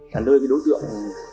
đã nơi cái đối tượng